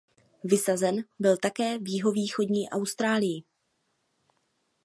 Vysazen byl také v jihovýchodní Austrálii.